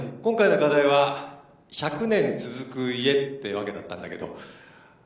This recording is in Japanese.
今回の課題は「１００年続く家」ってわけだったんだけど。